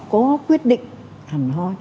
có quyết định